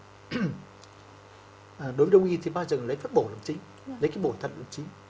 đối với đồng y thì bao giờ lấy phép bổ làm chính lấy cái bổ thận làm chính